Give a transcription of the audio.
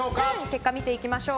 結果を見ていきましょう。